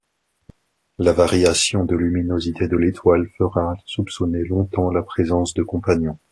La variation de luminosité de l'étoile fera soupçonner longtemps la présence de compagnons.